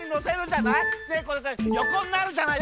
でよこになるじゃない？